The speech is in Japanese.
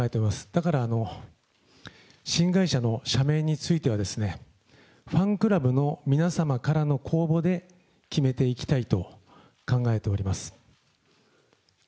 だから新会社の社名については、ファンクラブの皆様からの公募で決めていきたいと考えております。